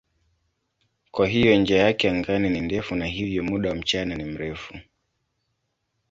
Kwa hiyo njia yake angani ni ndefu na hivyo muda wa mchana ni mrefu.